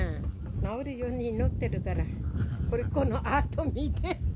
治るように祈ってるから、このアート見て。